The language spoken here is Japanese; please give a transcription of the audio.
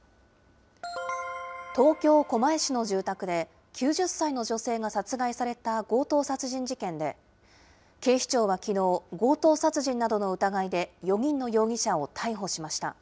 東京・狛江市の住宅で、９０歳の女性が殺害された強盗殺人事件で、警視庁はきのう、強盗殺人などの疑いで４人の容疑者を逮捕しました。